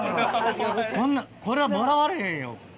これはもらわれへんよ。